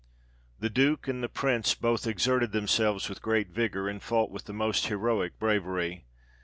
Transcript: The Duke and the Prince both exerted themselves with great vigour, and fought with the most heroic bravery.